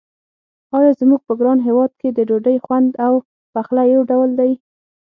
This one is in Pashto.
آیا زموږ په ګران هېواد کې د ډوډۍ خوند او پخلی یو ډول دی.